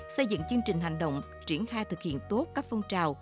xây dựng chương trình hành động triển khai thực hiện tốt các phong trào